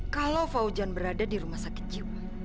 kalau fauzan berada di rumah sakit jiwa